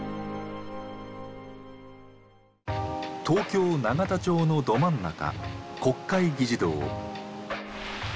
東京・永田町のど真ん中国会議事堂。